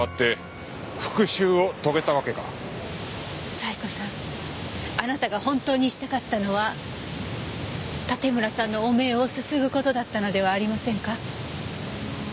冴子さんあなたが本当にしたかったのは盾村さんの汚名をすすぐ事だったのではありませんか？